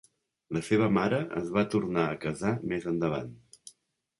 La seva mare es va tornar a casar més endavant.